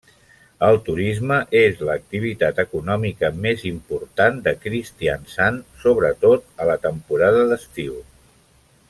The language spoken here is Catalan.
El turisme és l'activitat econòmica més important de Kristiansand, sobretot a la temporada d'estiu.